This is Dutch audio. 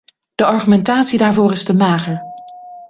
De argumentatie daarvoor is te mager.